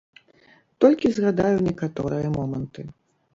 Толькі згадаю некаторыя моманты.